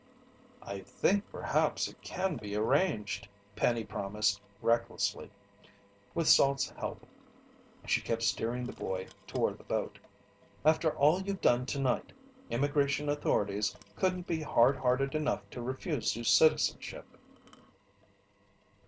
"I think perhaps it can be arranged," Penny promised recklessly. With Salt's help, she kept steering the boy toward the boat. "After all you've done tonight, Immigration authorities couldn't be hard hearted enough to refuse you citizenship."